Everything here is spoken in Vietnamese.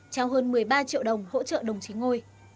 trao hơn một mươi ba triệu đồng hỗ trợ đồng chí ngôi